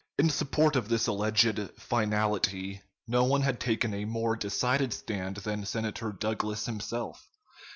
"] In support of this alleged "finality" no one had taken a more decided stand than Senator Douglas himself.